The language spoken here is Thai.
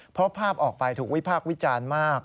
เพราะภาพออกไปถูกวิพากษ์วิจารณ์มาก